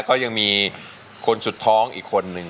ก็ยังมีคนสุดท้องอีกคนนึง